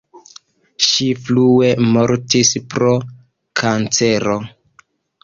Ŝi frue mortis pro kancero.